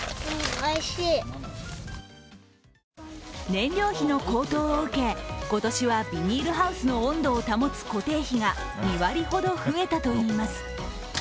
燃料費の高騰を受け、今年はビニールハウスの温度を保つ固定費が２割ほど増えたといいます